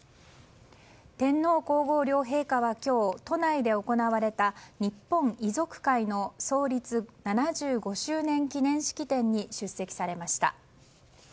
天皇・皇后両陛下は今日都内で行われた日本遺族会の創立７５周年記念式典に出席されました。